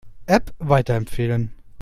App weiterempfehlen.